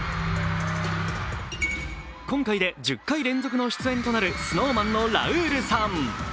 今回で１０回連続の出演となるＳｎｏｗＭａｎのラウールさん。